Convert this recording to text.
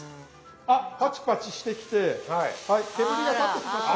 あパチパチしてきてはい煙が立ってきました。